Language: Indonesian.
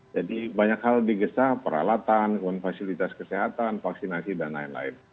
jadi banyak hal digesah perhelatan fasilitas kesehatan vaksinasi dan lain lain